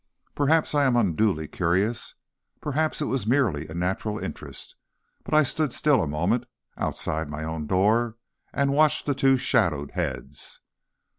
Perhaps I am unduly curious, perhaps it was merely a natural interest, but I stood still a moment, outside my own door, and watched the two shadowed heads.